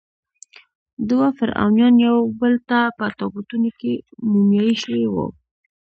دوه فرعونیان یوبل ته په تابوتونو کې مومیایي شوي وو.